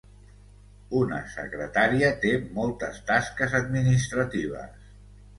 Una secretària té moltes tasques administratives.